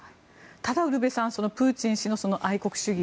ただ、ウルヴェさんプーチン氏の愛国主義